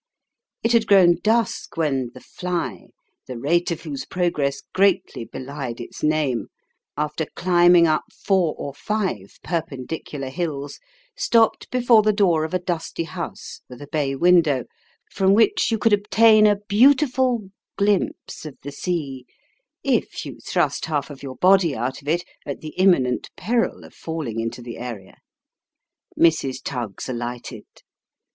It had grown dusk when the " fly " the rate of whose progress greatly belied its name after climbing up four or five perpendicular hills, stopped before the door of a dusty house, with a bay window, from which you could obtain a beautiful glimpse of the sea if you thrust half of your body out of it, at the imminent peril of falling into the area. Mrs. Tuggs alighted.